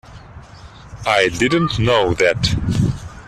I didn't know that.